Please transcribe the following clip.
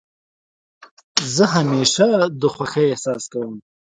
زه همېشه د خوښۍ احساس کوم.